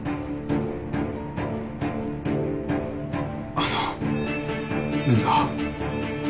あの何か？